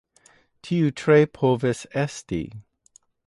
Tio tre povas esti.